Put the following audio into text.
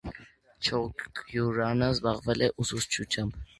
Չյոկյուրյանը զբաղվել է ուսուցչությամբ։